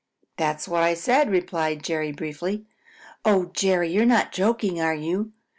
"That's what I said," replied Jerry briefly. "Oh, Jerry, you're not joking, are you?